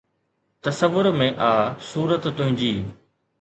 تصور ۾ آ صورت تنهنجي